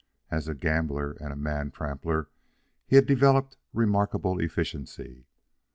As a gambler and a man trampler he had developed remarkable efficiency.